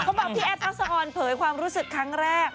บอกพี่แอฟทักษะออนเผยความรู้สึกครั้งแรก